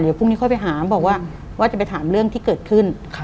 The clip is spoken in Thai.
เดี๋ยวพรุ่งนี้ค่อยไปหาบอกว่าว่าจะไปถามเรื่องที่เกิดขึ้น